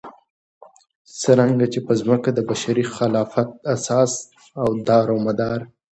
څرنګه چې په ځمكه كې دبشري خلافت اساس او دارمدار